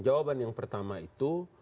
jawaban yang pertama itu